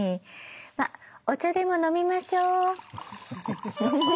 まあお茶でも飲みましょう。